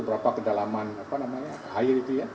berapa kedalaman apa namanya air itu ya